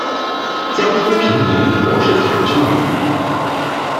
江苏平民柏士彩之女。